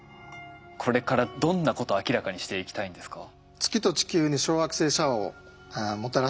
これからどんなことを明らかにしていきたいんですか？